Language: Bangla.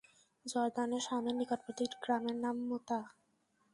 জর্দানে শামের নিকটবর্তী একটি গ্রামের নাম মুতা।